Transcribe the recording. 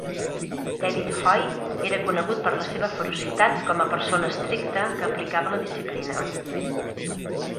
David Hoy era conegut per la seva ferocitat com a persona estricta que aplicava la disciplina.